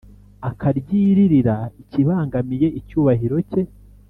akaryiririra ikibangamiye icyubahiro cye